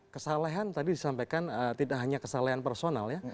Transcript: kesalahan tadi disampaikan tidak hanya kesalahan personal ya